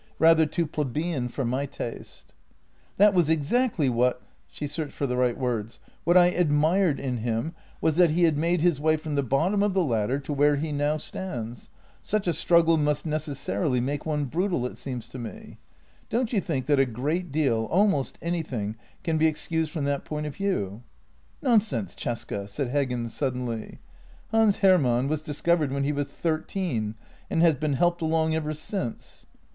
Rather too plebeian for my taste." " That was exactly what ..."— she searched for the right words —" what I admired in him was that he had made his way from the bottom of the ladder to where he now stands — such a struggle must necessarily make one brutal, it seems to me. Don't you think that a great deal — almost anything — can be excused from that point of view? "" Nonsense, Cesca," said Heggen suddenly. " Hans Her mann was discovered when he was thirteen, and has been helped along ever since."